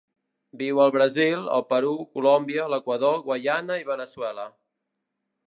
Viu al Brasil, el Perú, Colòmbia, l'Equador, Guaiana i Veneçuela.